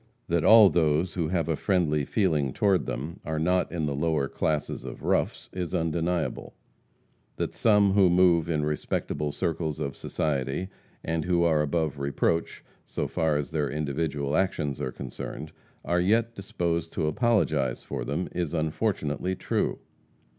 That all those who have a friendly feeling toward them are not in the lower classes of roughs, is undeniable; that some who move in respectable circles of society, and who are above reproach, so far as their individual actions are concerned, are yet disposed to apologize for them, is unfortunately true.